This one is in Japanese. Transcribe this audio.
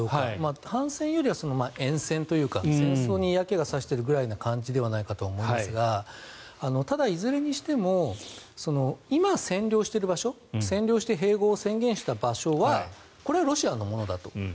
反戦よりは、えん戦というか戦争に嫌気が差しているぐらいの感じではないかと思いますがただ、いずれにしても今、占領している場所占領して併合を宣言した場所はロシアのものだと。